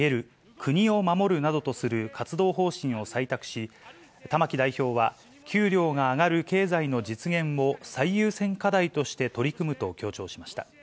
国を守る。などとする活動方針を採択し、玉木代表は、給料が上がる経済の実現を最優先課題として取り組むと強調しました。